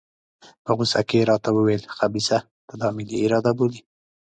په غوسه کې یې راته وویل خبیثه ته دا ملي اراده بولې.